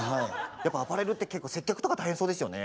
やっぱアパレルって結構接客とか大変そうですよね。